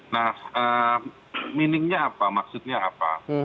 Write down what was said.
nah meaningnya apa maksudnya apa